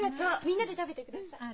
みんなで食べてください。